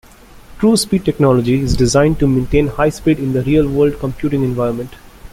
True Speed Technology is designed to maintain high speed in the real-world computing environment.